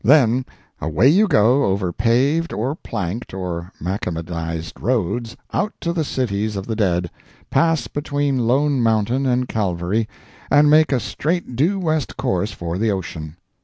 Then away you go over paved, or planked, or Macadamized roads, out to the cities of the dead, pass between Lone Mountain and Calvary, and make a straight due west course for the ocean.